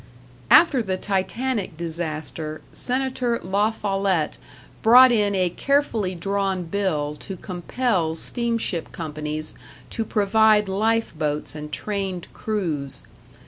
After the Titanic disaster, Senator La Follette brought in a carefully drawn bill to compel steamship companies to provide life boats and trained crews.